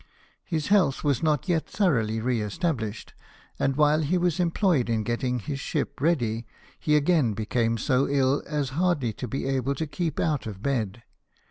His health was not yet thoroughly re established ; and Avhile he was employed in getting his ship ready he again became so ill as hardly to be able to keep out of bed.